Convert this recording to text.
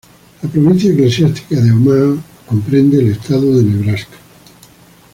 La Provincia Eclesiástica de Omaha comprende el estado de Nebraska.